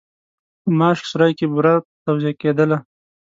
په ماشک سرای کې بوره توزېع کېدله.